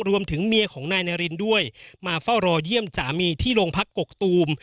เมียของนายนารินด้วยมาเฝ้ารอเยี่ยมสามีที่โรงพักกกตูม